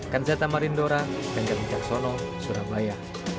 kan zeta marin dora dengar dikak sono surabaya